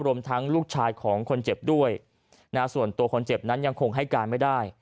รวมทั้งลูกชายของคนเจ็บด้วยส่วนตัวคนเจ็บนั้นยังคงให้การไม่ได้